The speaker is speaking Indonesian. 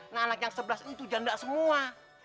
nah anak yang sebelas itu janda semua